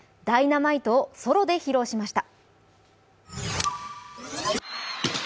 「Ｄｙｎａｍｉｔｅ」をソロで披露しました。